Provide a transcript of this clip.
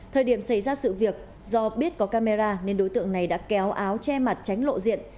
thời điểm xảy ra sự việc do biết có camera nên đối tượng này đã kéo áo che mặt tránh lộ diện